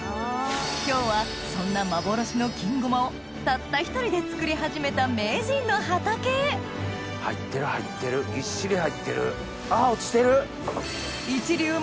今日はそんな幻の金ごまをたった一人で作り始めた名人の畑へ入ってる入ってる！あっ落ちてる！